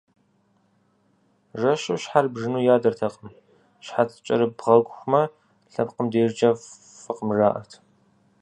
Жэщу щхьэр бжьыну ядэртэкъым, щхьэц кӀэрыбгъэхумэ, лъэпкъым дежкӀэ фӀыкъым, жаӀэрт.